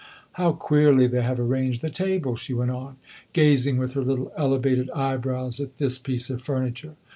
How queerly they have arranged the table!" she went on, gazing with her little elevated eyebrows at this piece of furniture.